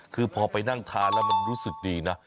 คือพอไปนั่งทานแล้วมันรู้สึกดีนะ